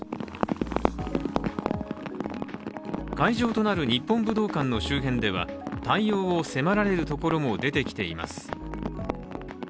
会場となる日本武道館の周辺では対応を迫られるところも出てきています。